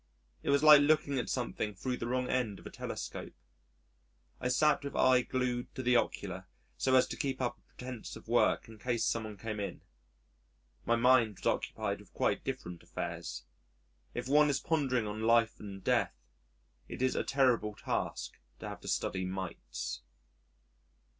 It was like looking at something thro' the wrong end of a telescope. I sat with eye glued to the ocular, so as to keep up a pretence of work in case some one came in. My mind was occupied with quite different affairs. If one is pondering on Life and Death, it is a terrible task to have to study Mites.